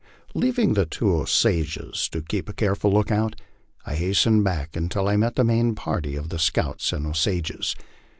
Leaving the two Osages to keep a careful lookout, I hastened back until I met the main party of the scouts and Osages.